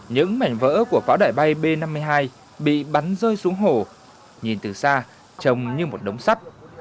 những mảnh vỡ của pháo đẩy bay b năm mươi hai bị bắn rơi xuống hồ nhìn từ xa trông như một đống sắt